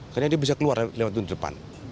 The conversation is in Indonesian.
karena dia bisa keluar lewat pintu depan